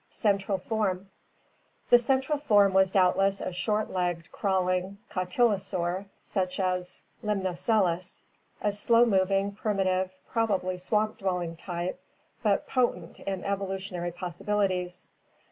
Central Form. — The central form was doubtless a short legged, crawling cotylosaur, such as Limnoscelis (Fig. 150), a slow moving, primitive, probably swamp dwelling type but potent in evolution ary possibilities.